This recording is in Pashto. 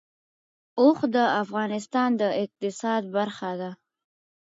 اوښ د افغانستان د اقتصاد برخه ده.